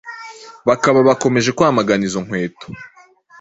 bakaba bakomeje kwamagana izo nkweto